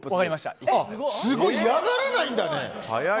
すごい、嫌がらないんだね。